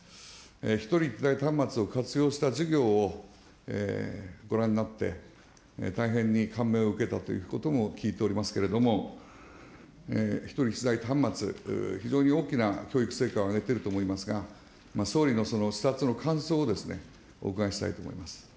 １人１台端末を活用した授業をご覧になって、大変に感銘を受けたということも聞いておりますけれども、１人１台端末、非常に大きな教育成果を上げていると思いますが、総理の視察の感想をお伺いしたいと思います。